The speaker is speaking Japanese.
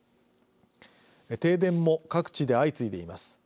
停電も各地で相次いでいます。